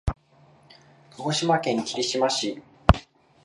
鹿児島県霧島市